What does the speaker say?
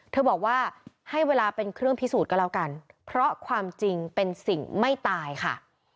บอกว่าให้เวลาเป็นเครื่องพิสูจน์ก็แล้วกันเพราะความจริงเป็นสิ่งไม่ตายค่ะ